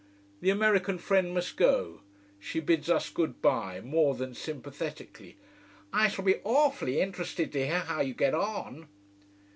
The American friend must go. She bids us goodbye, more than sympathetically. "I shall be awfully interested to hear how you get on."